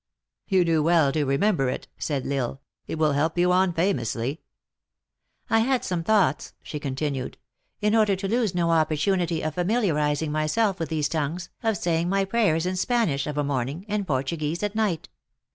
" You do well to remember it," said L Isle ;" it will help you on famously. 4 " I had some thoughts," she continued, " in order to lose no opportunity of familiarizing myself with these tongues, of saying my pra} 7 ers in Spanish of a morning, and Portuguese at night.